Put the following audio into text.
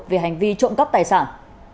về hành vi trộm cắp tài sản